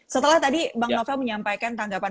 setelah tadi bang novel menyampaikan tanggapan